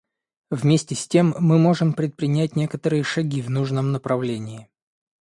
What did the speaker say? Вместе с тем мы можем предпринять некоторые шаги в нужном направлении.